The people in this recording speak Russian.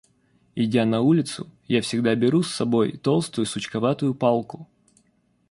Идя на улицу, я всегда беру с собой толстую, сучковатую палку.